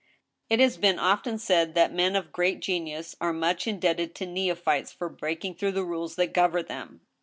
It has been often said that men of great genius are much in debted to neophytes for breaking through the rules that govern them.